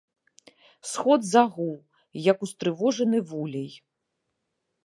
Сход загуў, як устрывожаны вулей.